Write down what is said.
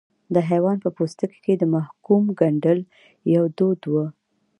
د حیوان په پوستکي کې د محکوم ګنډل یو دود و.